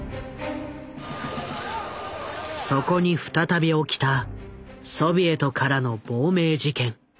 そこに再び起きたソビエトからの亡命事件。